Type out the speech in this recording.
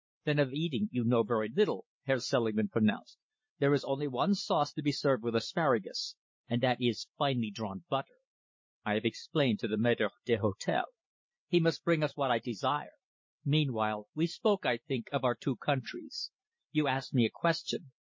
"Then of eating you know very little," Herr Selingman pronounced. "There is only one sauce to be served with asparagus, and that is finely drawn butter. I have explained to the maître d'hôtel. He must bring us what I desire. Meanwhile, we spoke, I think, of our two countries. You asked me a question.